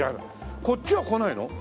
こっちは来ないの？